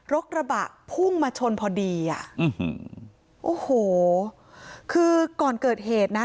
กระบะพุ่งมาชนพอดีอ่ะอืมโอ้โหคือก่อนเกิดเหตุนะ